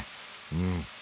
うん。